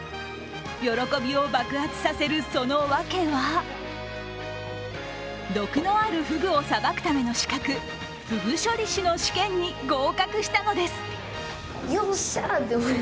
喜びを爆発させるその訳は、毒のあるふぐを裁くための資格ふぐ処理師の試験に合格したのです。